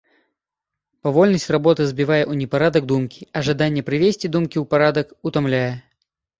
Павольнасць работы збівае ў непарадак думкі, а жаданне прывесці думкі ў парадак утамляе.